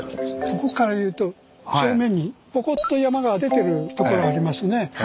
ここからいうと正面にポコッと山が出てるところありますね。